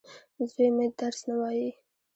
زوی مي درس نه وايي.